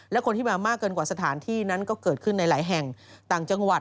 และคนที่มามากเกินกว่าสถานที่นั้นก็เกิดขึ้นในหลายแห่งต่างจังหวัด